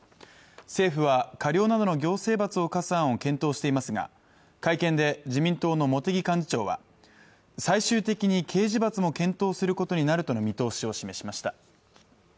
政府は、過料などの行政罰を科す案を検討していますが会見で自民党の茂木幹事長は最終的に刑事罰も検討することになるとの見通しを示しました。